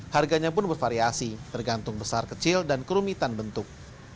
harganya pun bervariasi tergantung besar kecil dan kerumitan bentuk